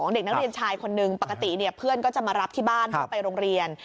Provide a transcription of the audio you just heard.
เด็กนักเรียนชายคนนึงปกติเพื่อนก็จะมารับที่บ้านเพื่อไปโรงเรียน